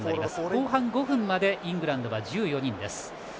後半５分までイングランドは１４人です。